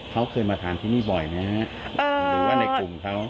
เขาเคยมาทานที่นี่บ่อยไหมฮะหรือว่าในกลุ่มเขา